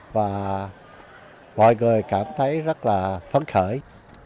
và mọi người cảm thấy rất là phấn khởi